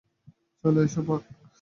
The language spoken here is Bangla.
চলে এসো, বায!